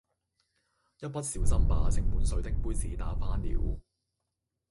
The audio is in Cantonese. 一不小心把盛滿水的杯子打翻了